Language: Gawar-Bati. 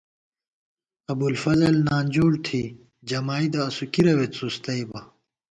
ابُوالفضل نانجوڑ تھی جمائیدہ اسُو کی رَوے څُوستَئیبہ